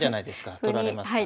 はい取られます。